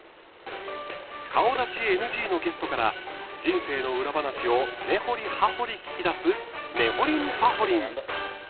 顔出しＮＧのゲストから人生の裏話を根掘り葉掘り聞き出す「ねほりんぱほりん」。